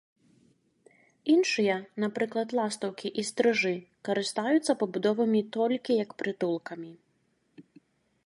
Іншыя, напрыклад, ластаўкі і стрыжы, карыстаюцца пабудовамі толькі як прытулкамі.